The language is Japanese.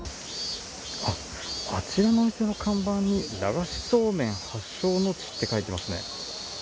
あっ、あちらの店の看板に、流しそうめん発祥の地って書いてますね。